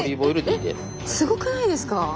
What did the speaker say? すごくないですか？